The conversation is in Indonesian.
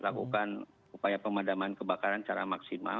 lakukan upaya pemadaman kebakaran secara maksimal